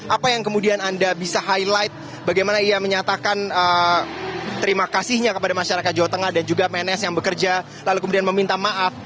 apa yang kemudian anda bisa highlight bagaimana ia menyatakan terima kasihnya kepada masyarakat jawa tengah dan juga pns yang bekerja lalu kemudian meminta maaf